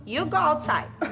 kau pergi ke luar